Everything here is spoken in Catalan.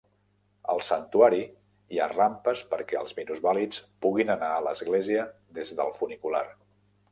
Al Santuari hi ha rampes perquè els minusvàlids puguin anar a l'Església des del Funicular.